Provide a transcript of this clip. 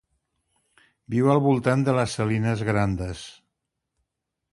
Viu al voltant de les Salinas Grandes.